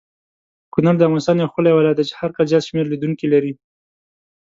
کونړ دافغانستان یو ښکلی ولایت دی چی هرکال زیات شمیر لیدونکې لری